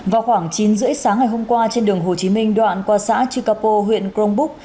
vào khoảng chín h ba mươi sáng ngày hôm qua trên đường hồ chí minh đoạn qua xã chikapo huyện grongbuk